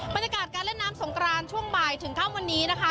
บรรยากาศการเล่นน้ำสงกรานช่วงบ่ายถึงค่ำวันนี้นะคะ